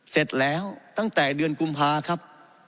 เสร็จแล้วตั้งแต่เดือนกุมภาครับ